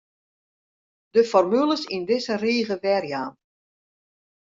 De formules yn dizze rige werjaan.